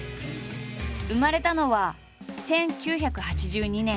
生まれたのは１９８２年。